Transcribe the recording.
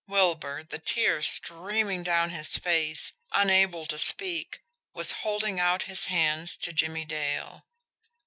Wilbur, the tears streaming down his face, unable to speak, was holding out his hands to Jimmie Dale.